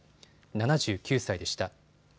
７９歳でした。